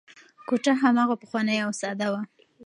کوټه هماغه پخوانۍ او ساده وه.